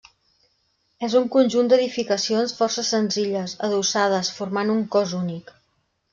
És un conjunt d'edificacions força senzilles, adossades formant un cos únic.